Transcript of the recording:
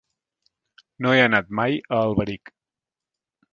No he anat mai a Alberic.